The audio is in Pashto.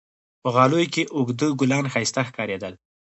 په غالیو کې اوږده ګلان ښایسته ښکارېدل.